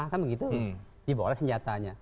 kan begitu dibawalah senjatanya